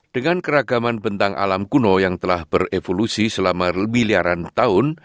dengan keragaman bentang alam kuno yang telah berevolusi selama lebih liaran tahun